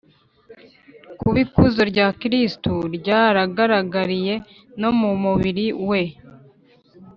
kuba ikuzo rya kristu ryaragaragariye no mu mubiri we